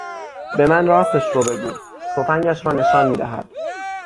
به من راستش رو بگو تفنگش را نشان میدهد